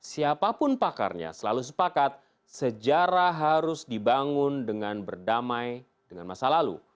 siapapun pakarnya selalu sepakat sejarah harus dibangun dengan berdamai dengan masa lalu